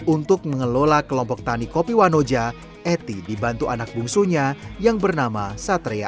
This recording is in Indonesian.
untuk mengelola kelompok tani kopi wanoja eti dibantu anak bungsunya yang bernama satria